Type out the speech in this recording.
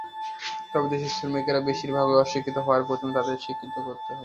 তবে দেশের শ্রমিকেরা বেশির ভাগই অশিক্ষিত হওয়ায় প্রথমে তাঁদের শিক্ষিত করতে হবে।